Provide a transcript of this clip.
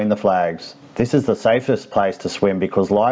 ini adalah tempat yang paling aman untuk berlari